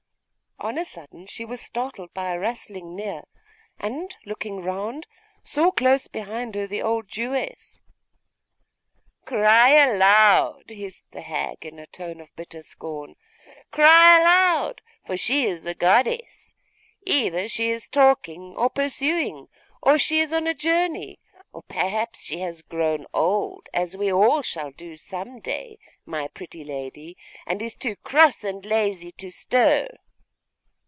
On a sudden she was startled by a rustling near; and, looking round, saw close behind her the old Jewess. 'Cry aloud!' hissed the hag, in a tone of bitter scorn; 'cry aloud, for she is a goddess. Either she is talking, or pursuing, or she is on a journey; or perhaps she has grown old, as we all shall do some day, my pretty lady, and is too cross and lazy to stir.